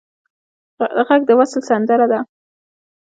غږ د وصل سندره ده